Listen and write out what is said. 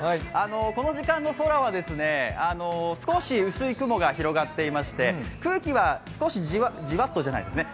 この時間の空は少し薄い雲が広がっていまして空気は少しじわっとじわっとじゃないですね